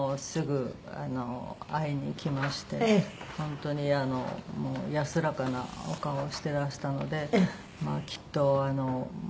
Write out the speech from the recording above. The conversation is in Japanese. すぐ会いに行きまして本当に安らかなお顔をしてらしたのでまあきっと。